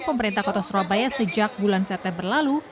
pemerintah kota surabaya sejak bulan september lalu